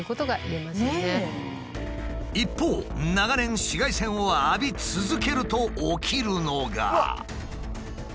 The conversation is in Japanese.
一方長年紫外線を浴び続けると起きるのが。